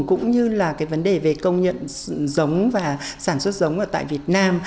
cũng như là cái vấn đề về công nhận giống và sản xuất giống ở tại việt nam